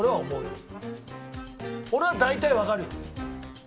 俺は大体わかるよ。